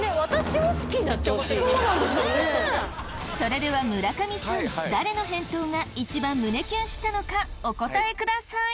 それでは村上さん誰の返答がいちばん胸キュンしたのかお答えください。